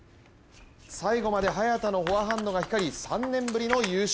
最後まで早田のフォアハンドが光り、３年ぶりの優勝。